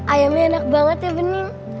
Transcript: ayamnya enak banget ya bening